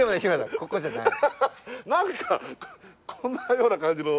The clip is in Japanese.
なんかこんなような感じの。